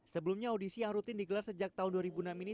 sebelumnya audisi yang rutin digelar sejak tahun dua ribu enam ini